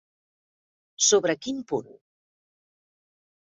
Sobre quin punt?